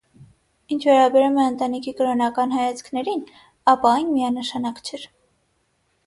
Ինչ վերաբերվում է ընտանիքի կրոնական հայացքներին, ապա այն միանշանակ չէր։